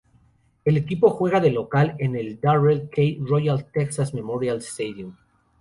El equipo juega de local en el Darrell K. Royal-Texas Memorial Stadium.